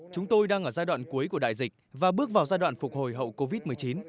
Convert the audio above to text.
chúng tôi đang ở giai đoạn cuối của đại dịch và bước vào giai đoạn phục hồi hậu covid một mươi chín